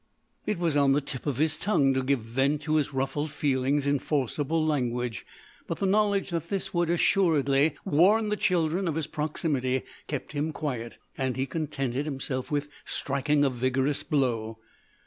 It was on the tip of his tongue to give vent to his ruffled feelings in forcible language, but the knowledge that this would assuredly warn the children of his proximity kept him quiet, and he contented himself with striking a vigorous blow.